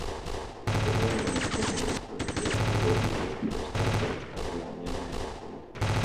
Ni sehemu ya mfumo ikolojia kubwa iliyopo katikati ya Hifadhi ya Wanyama ya mikumi